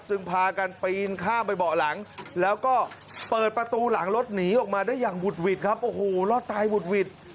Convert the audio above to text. พากันปีนข้ามไปเบาะหลังแล้วก็เปิดประตูหลังรถหนีออกมาได้อย่างบุดหวิดครับโอ้โหรอดตายบุดหวิด